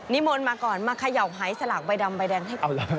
นิมนต์มาก่อนมาเขย่าไห้สลากใบดำใบแดงให้ก่อน